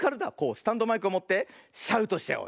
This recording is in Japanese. スタンドマイクをもってシャウトしちゃおう。